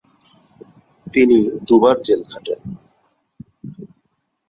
তিনি দুবার জেল খাটেন।